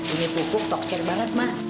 ini pupuk tokcer banget ma